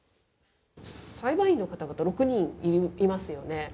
裁判員の方々、６人いますよね。